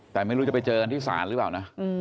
แต่ไม่รู้จะไปเจอกันที่ศาลหรือเปล่านะ